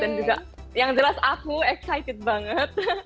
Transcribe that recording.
dan juga yang jelas aku excited banget